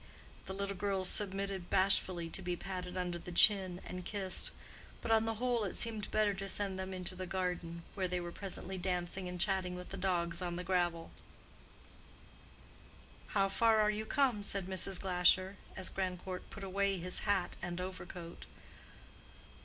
The little girls submitted bashfully to be patted under the chin and kissed, but on the whole it seemed better to send them into the garden, where they were presently dancing and chatting with the dogs on the gravel. "How far are you come?" said Mrs. Glasher, as Grandcourt put away his hat and overcoat.